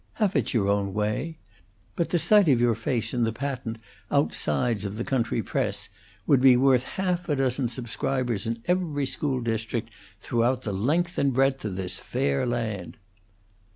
Have it your own way, But the sight of your face in the patent outsides of the country press would be worth half a dozen subscribers in every school district throughout the length and breadth of this fair land."